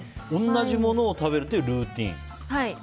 同じものを食べるというルーティン。